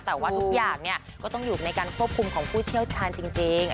แต่ว่าทุกอย่างก็ต้องอยู่ในการควบคุมของผู้เชี่ยวชาญจริง